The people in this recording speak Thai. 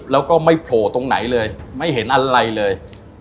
แล้วก็ไม่โผล่ตรงไหนเลยไม่เห็นอะไรเลย